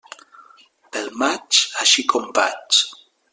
Pel maig, així com vaig.